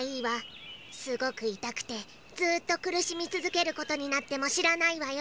すごくいたくてずっとくるしみつづけることになってもしらないわよ。